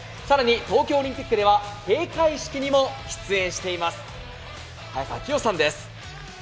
更に東京オリンピックでは閉会式にも出演しています。